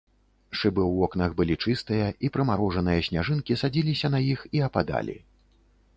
Шыбы ў вокнах былі чыстыя, і прымарожаныя сняжынкі садзіліся на іх і ападалі.